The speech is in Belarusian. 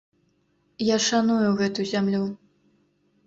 Я шаную гэту зямлю.